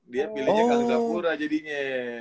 dia pilihnya kasapura jadinya